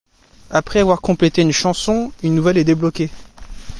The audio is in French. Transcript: Après avoir complété une chanson, une nouvelle est débloquée.